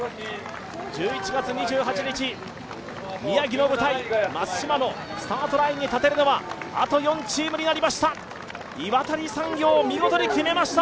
１１月２８日、宮城の舞台、松島のスタートラインに立てるのは岩谷産業、見事に決めました。